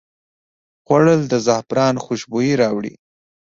خوړل د زعفران خوشبويي راوړي